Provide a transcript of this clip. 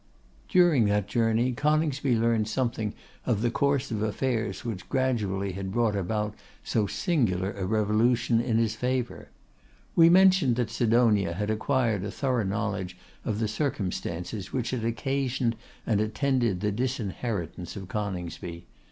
During that journey Coningsby learned something of the course of affairs which gradually had brought about so singular a revolution in his favour. We mentioned that Sidonia had acquired a thorough knowledge of the circumstances which had occasioned and attended the disinheritance of Coningsby.